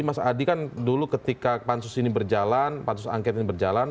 mas adi kan dulu ketika pansus ini berjalan pansus angket ini berjalan